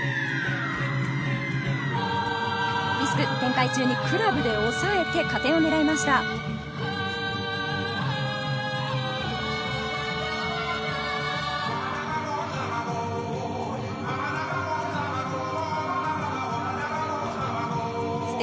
リスク、転回中にクラブでおさえて加点を狙いました。